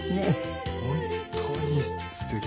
本当にすてきな。